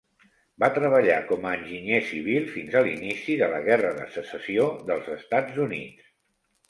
Va treballar com a enginyer civil fins l'inici de la Guerra de Secessió dels Estats Units.